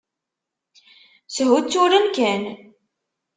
Shutturen kan.